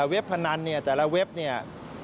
พนันเนี่ยแต่ละเว็บเนี่ย